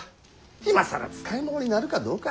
今更使い物になるかどうか。